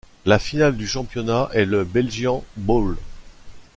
La finale du championnat est le Belgian Bowl.